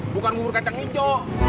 bukan bubur kacang hijau